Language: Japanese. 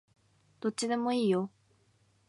どっちでもいいよ